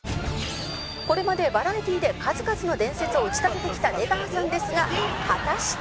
これまでバラエティーで数々の伝説を打ち立ててきた出川さんですが果たして？